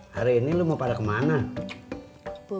tadi habis x satu m antre ke preguntas